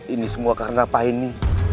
ini semua karena apa ini